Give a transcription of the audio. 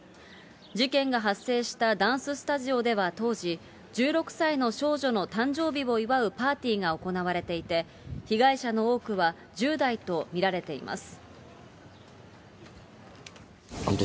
事件が発生したダンススタジオでは当時、１６歳の少女の誕生日を祝うパーティーが行われていて、被害者の多くは１０代と見られています。